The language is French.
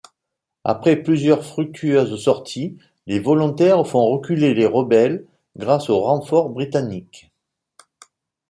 Après plusieurs fructueuses sorties, les volontaires font reculer les rebelles grâce aux renforts britanniques.